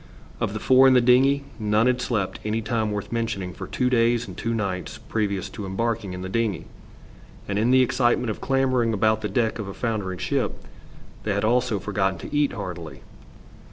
Of the four in the dingey none had slept any time worth mentioning for two days and two nights previous to embarking in the dingey, and in the excitement of clambering about the deck of a foundering ship they had also forgotten to eat heartily.